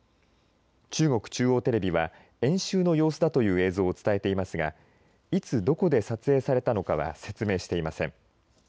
中国中央テレビは演習の様子だという映像を伝えていますがいつ、どこで撮影されたのかは説明していません。